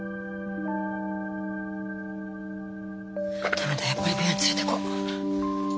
ダメだやっぱり病院連れてこう。